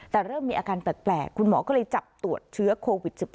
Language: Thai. แต่เริ่มมีอาการแปลกคุณหมอก็เลยจับตรวจเชื้อโควิด๑๙